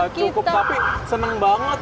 cukup tapi seneng banget